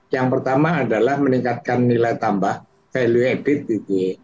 yang pertama adalah meningkatkan nilai tambah value added gitu ya